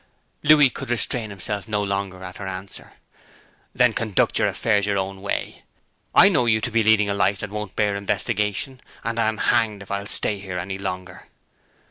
Louis could restrain himself no longer at her answer. 'Then conduct your affairs your own way. I know you to be leading a life that won't bear investigation, and I'm hanged if I'll stay here any longer!'